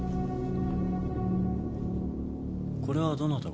これはどなたが？